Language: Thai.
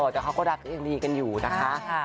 แต่เขาก็รักยังดีกันอยู่นะคะ